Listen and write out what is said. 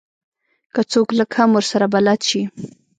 که څوک لږ هم ورسره بلد شي.